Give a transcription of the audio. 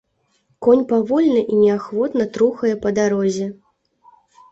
Конь павольна і неахвотна трухае па дарозе.